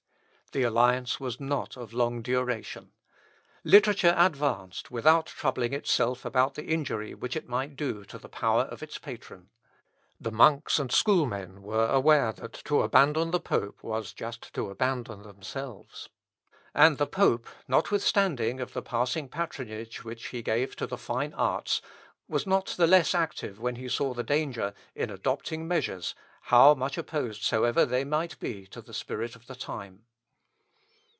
The alliance was not of long duration. Literature advanced without troubling itself about the injury which it might do to the power of its patron. The monks and schoolmen were aware that to abandon the pope was just to abandon themselves; and the pope, notwithstanding of the passing patronage which he gave to the fine arts, was not the less active when he saw the danger, in adopting measures, how much opposed soever they might be to the spirit of the time.